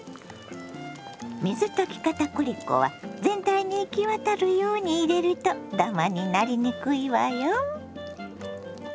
水溶き片栗粉は全体に行き渡るように入れるとダマになりにくいわよ。